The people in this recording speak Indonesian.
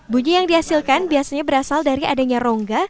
bunyi yang dihasilkan biasanya berasal dari adanya rongga